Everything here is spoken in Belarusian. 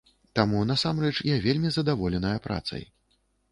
Таму, насамрэч, я вельмі задаволеная працай.